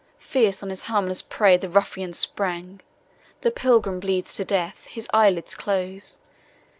Fierce on his harmless prey the ruffian sprang! The Pilgrim bleeds to death, his eye lids close.